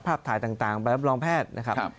ภาพถ่ายต่างไปรับรองแพทย์นะครับ